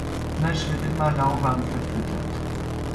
Mash wird immer lauwarm verfüttert.